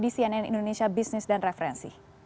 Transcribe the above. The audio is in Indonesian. di cnn indonesia business dan referensi